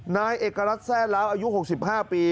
นายเอกรัสแซ่นแล้วอายุ๖๕ปี